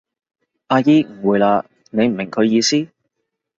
阿姨誤會喇，你唔明佢意思？